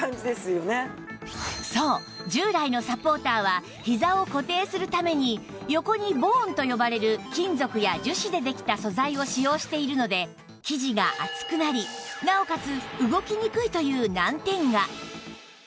そう従来のサポーターはひざを固定するために横にボーンと呼ばれる金属や樹脂でできた素材を使用しているので生地が厚くなりなおかつ動きにくいという難点が